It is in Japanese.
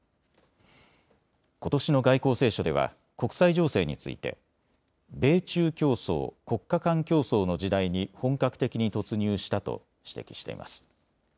ことしの外交青書では国際情勢について米中競争・国家間競争の時代に本格的に突入したと指摘しています。